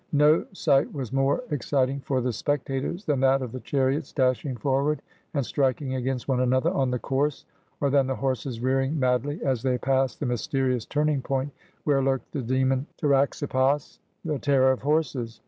No sight was more exciting for the spectators than that of the chariots dashing forward and striking against one another on the course, or than the horses rearing madly as they passed the mysterious turning point where lurked the demon Taraxippos — the terror of horses.